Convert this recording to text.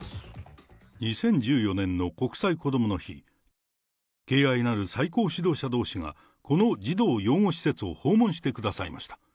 ２０１４年の国際こどもの日、敬愛なる最高指導者同志が、この児童養護施設を訪問してくださいました。